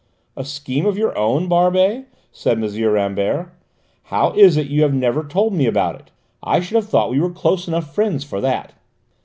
"A scheme of your own, Barbey?" said M. Rambert. "How is it you have never told me about it? I should have thought we were close enough friends for that."